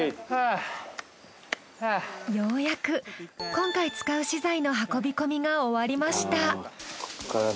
ようやく今回使う資材の運び込みが終わりました。